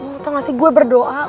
lo tau gak sih gue berdoa